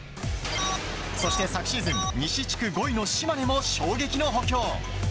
そして、昨シーズン西地区５位の島根も衝撃の補強。